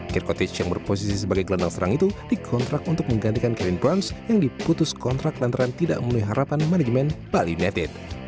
kirkotige yang berposisi sebagai gelandang serang itu dikontrak untuk menggantikan green brands yang diputus kontrak lantaran tidak memenuhi harapan manajemen bali united